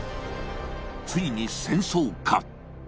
ついに戦争か。